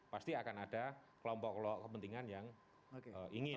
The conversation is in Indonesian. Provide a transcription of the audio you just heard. pasti akan ada kelompok kelompok kepentingan yang ingin